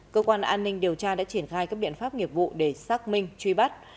cơ quan an ninh điều tra đã triển khai các biện pháp nghiệp vụ để xác minh truy bắt